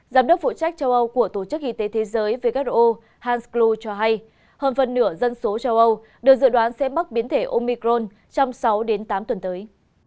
giám đốc phụ trách châu âu của tổ chức y tế thế giới who hansklu cho hay hơn phần nửa dân số châu âu được dự đoán sẽ mắc biến thể omicron trong sáu đến tám tuần tới